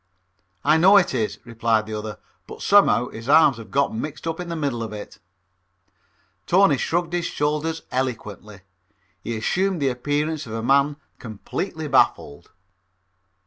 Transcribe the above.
"I know it is," replied the other, "but somehow his arms have gotten mixed up in the middle of it." Tony shrugged his shoulders eloquently. He assumed the appearance of a man completely baffled.